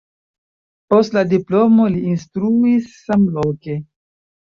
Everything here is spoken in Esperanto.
Post la diplomo li instruis samloke.